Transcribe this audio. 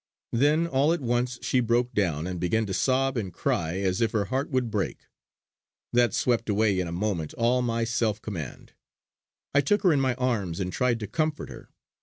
Then all at once she broke down, and began to sob and cry as if her heart would break. That swept away in a moment all my self command; I took her in my arms and tried to comfort her.